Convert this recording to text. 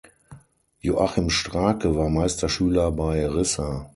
Joachim Stracke war Meisterschüler bei Rissa.